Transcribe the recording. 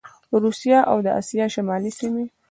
روسیه او د اسیا شمالي سیمي